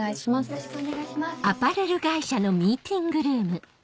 ・よろしくお願いします